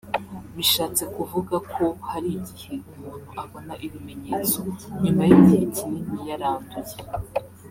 bishatse kuvuga ko hari igihe umuntu abona ibimenyetso nyuma y’igihe kinini yaranduye